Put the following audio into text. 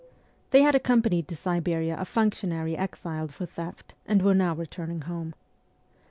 They had accompanied to Siberia a functionary exiled for theft, and were now returning home.